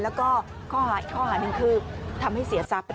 แล้วก็ข้อหาอีกข้อหาหนึ่งคือทำให้เสียทรัพย์